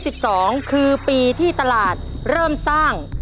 ปศ๑๒๒คือปีที่ตลาดเริ่มสร้าง